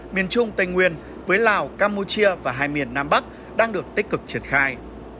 miền trung tây nguyên với lào campuchia và hai miền nam bắc đang được tích cực triển khai